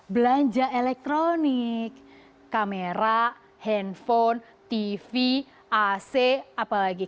belanja elektronik kamera handphone tv ac apa lagi